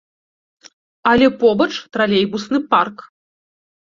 Але побач тралейбусны парк.